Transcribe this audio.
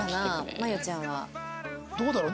どうだろう？